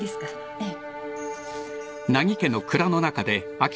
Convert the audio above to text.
ええ。